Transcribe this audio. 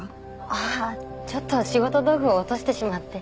ああちょっと仕事道具を落としてしまって。